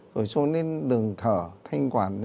rồi xuống lên đường thở thanh quản